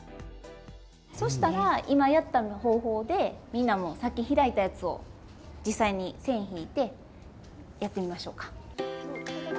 そしたら今やった方法でみんなもさっき開いたやつを実際に線引いてやってみましょうか。